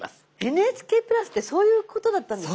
「ＮＨＫプラス」ってそういうことだったんですね。